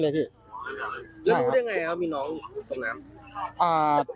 แล้วพี่ได้ยังไงครับมีน้องตรงนั้น